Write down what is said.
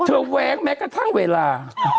แว้งแม้กระทั่งเวลา